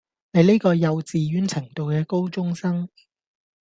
你呢個幼稚園程度嘅高中生